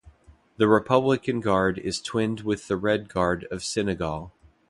The Republican Guard is twinned with the Red Guard of Senegal.